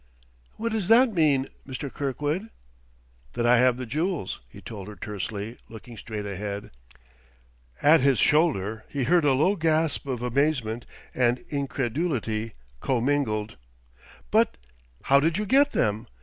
"What does that mean, Mr. Kirkwood?" "That I have the jewels," he told her tersely, looking straight ahead. At his shoulder he heard a low gasp of amazement and incredulity commingled. "But ! How did you get them?